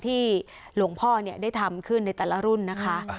ที่หลวงพ่อได้ทำขึ้นในแต่ละรุ่นนะคะ